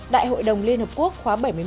đại hội đồng liên hợp quốc khóa bảy mươi một